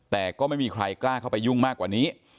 แต่ก็ไม่มีใครกล้าเข้าไปยุ่งมากกว่านี้